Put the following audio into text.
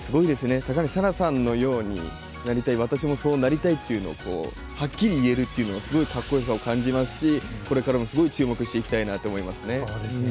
高梨沙羅さんのようになりたい、私もそうなりたいっていうのをはっきり言えるというのは、すごいかっこよさを感じますしこれからもすごい注目していきたいなと思いますね。